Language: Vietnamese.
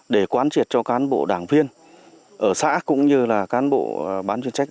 để quán triệt cho cán bộ đảng viên ở xã cũng như là cán bộ bán chuyên trách